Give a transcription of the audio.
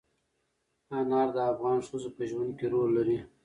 انار د افغان ښځو په ژوند کې رول لري.